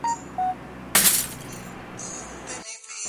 Es la mascota de Tom.